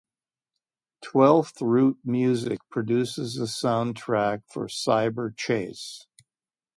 Twelfth Root Music produces the sound track for Cyberchase.